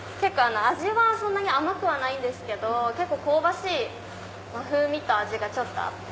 そんなに甘くはないんですけど結構香ばしい風味と味があって。